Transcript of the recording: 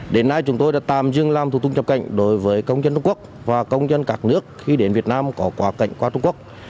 đến nay chúng tôi đã tạm dừng làm thủ tục nhập cảnh đối với công dân trung quốc và công dân các nước khi đến việt nam có quá cảnh qua trung quốc